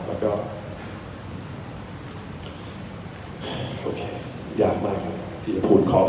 แล้วก็โอเคยากมากนะครับ